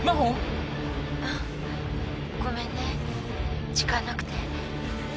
うんごめんね時間なくて。